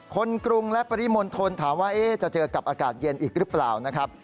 กรุงและปริมณฑลถามว่าจะเจอกับอากาศเย็นอีกหรือเปล่านะครับ